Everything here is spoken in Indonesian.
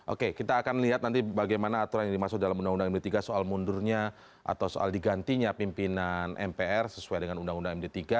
oke kita akan lihat nanti bagaimana aturan yang dimaksud dalam undang undang md tiga soal mundurnya atau soal digantinya pimpinan mpr sesuai dengan undang undang md tiga